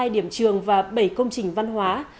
hai mươi hai điểm trường và bảy công trình văn hóa